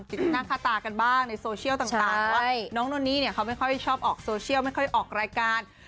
หน้าค่าตากันบ้างในโซเชียลต่างว่าน้องนนนี่เนี่ยเขาไม่ค่อยชอบออกโซเชียลไม่ค่อยออกรายการ